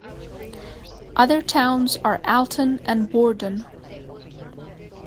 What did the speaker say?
Other towns are Alton and Bordon.